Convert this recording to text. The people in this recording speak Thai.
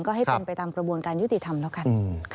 ก็ให้เป็นไปตามกระบวนการยุติธรรมแล้วกัน